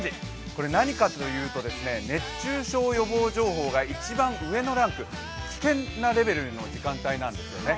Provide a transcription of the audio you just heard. これ何かというと、熱中症予防情報が一番上のランク、危険なレベルの時間帯なんですよね。